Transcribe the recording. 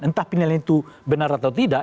entah penilaian itu benar atau tidak